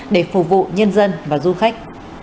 để phục vụ nhân dân và du khách